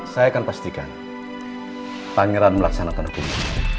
saya akan pastikan pangeran melaksanakan hukum